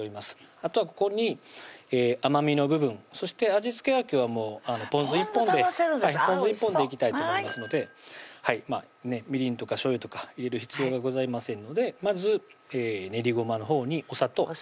あとはここに甘みの部分そして味付けは今日はぽん酢１本でぽん酢１本でいきたいと思いますのでみりんとかしょうゆとか入れる必要がございませんのでまず練りごまのほうにお砂糖お砂糖入れました